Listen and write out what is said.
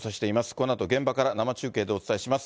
このあと現場から生中継でお伝えします。